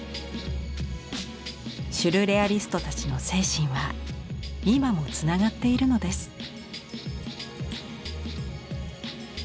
シュルレアリストたちの精神は今もつながっているのです。